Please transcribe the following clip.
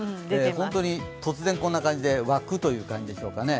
本当に突然こんな感じで沸くという感じでしょうかね。